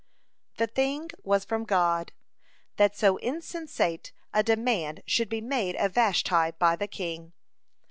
(31) The thing was from God, that so insensate a demand should be made of Vashti by the king.